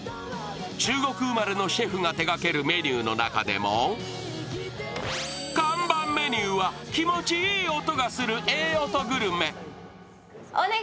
中国生まれのシェフが手がけるメニューの中でも看板メニューは、気持ちいい音がするええ音グルメ。